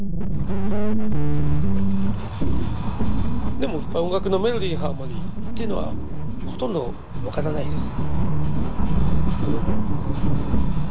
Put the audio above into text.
でも音楽のメロディーハーモニーっていうのはほとんど分からないです。